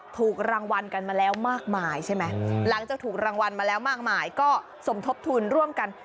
ถูกรางวัลกันมาแล้วมากมายใช่ไหมหลังจากถูกรางวัลมาแล้วมากมายก็สมทบทุนร่วมกัน